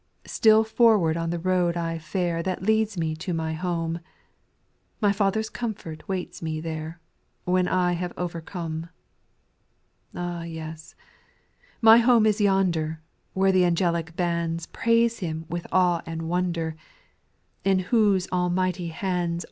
Still forward on the road I fare That leads me to my home : My Father's comfort waits me there, When I have overcome. 6. Ah, yes I my home is yonder. Where all the angelic bands Praise Him with awe and Nvotvdct^ In whose Almighty \iai\da SPIRITUAL SONGS.